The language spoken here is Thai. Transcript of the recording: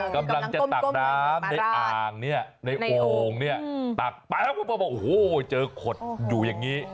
กำลังจะตากน้ำในอ่างในโอ่งตากโอ้โฮเจอขดอยู่อย่างนี้